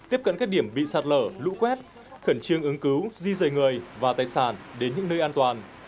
tiếp cận các điểm bị sạt lở lũ quét khẩn trương ứng cứu di rời người và tài sản đến những nơi an toàn